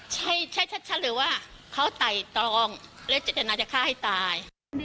ใช่ชัดเลยว่าเขาไต่ตองและเจตนาจะฆ่าให้ตาย